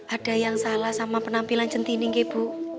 ada yang salah sama penampilan centini nge bu